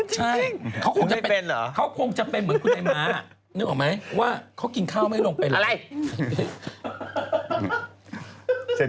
ใช่เขาคงจะเป็นเหรอเขาคงจะเป็นเหมือนคุณนายม้านึกออกไหมว่าเขากินข้าวไม่ลงเป็นอะไร